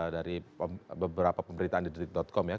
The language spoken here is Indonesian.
dari beberapa pemberitaan di detik com ya